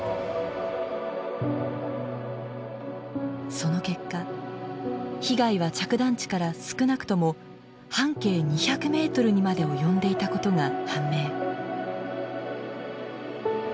その結果被害は着弾地から少なくとも半径２００メートルにまで及んでいたことが判明。